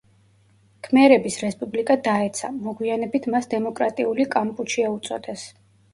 ქმერების რესპუბლიკა დაეცა, მოგვიანებით მას დემოკრატიული კამპუჩია უწოდეს.